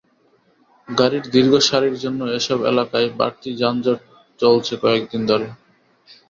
গাড়ির দীর্ঘ সারির জন্য এসব এলাকায় বাড়তি যানজট চলছে কয়েক দিন ধরে।